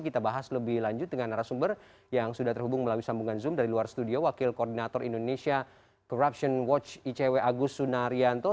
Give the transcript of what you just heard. kita bahas lebih lanjut dengan narasumber yang sudah terhubung melalui sambungan zoom dari luar studio wakil koordinator indonesia corruption watch icw agus sunaryanto